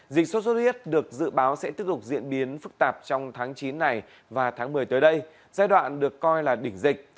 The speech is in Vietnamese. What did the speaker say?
dịch sốt xuất huyết được dự báo sẽ tiếp tục diễn biến phức tạp trong tháng chín này và tháng một mươi tới đây giai đoạn được coi là đỉnh dịch